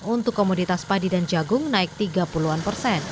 untuk komoditas padi dan jagung naik tiga puluh an persen